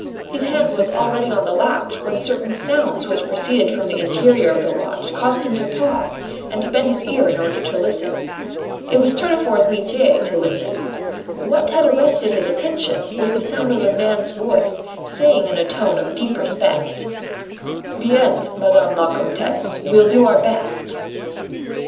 His hand was already on the latch, when certain sounds which proceeded from the interior of the lodge caused him to pause and to bend his ear in order to listen. It was Tournefort's metier to listen. What had arrested his attention was the sound of a man's voice, saying in a tone of deep respect: "Bien, Madame la Comtesse, we'll do our best."